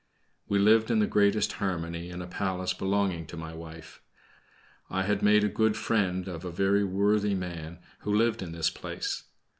We lived in the greatest harmony in a palace belonging to my wife. I had made a good friend of a very worthy man who lived in this place.